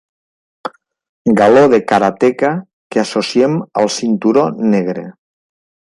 Galó de karateka que associem al cinturó negre.